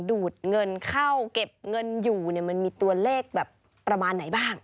ดูดเงินเข้าเก็บเงินอยู่เนี่ยมันมีตัวเลขแบบประมาณไหนบ้าง